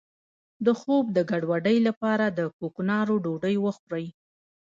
د خوب د ګډوډۍ لپاره د کوکنارو ډوډۍ وخورئ